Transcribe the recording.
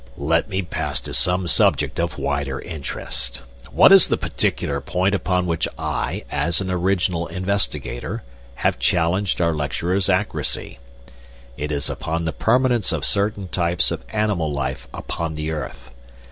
"Let me pass to some subject of wider interest. What is the particular point upon which I, as an original investigator, have challenged our lecturer's accuracy? It is upon the permanence of certain types of animal life upon the earth.